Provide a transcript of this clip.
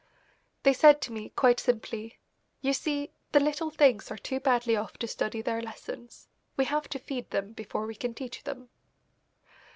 They said to me, quite simply: "You see, the little things are too badly off to study their lessons. We have to feed them before we can teach them."